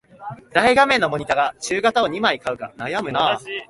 大画面のモニタか中型を二枚買うか悩むな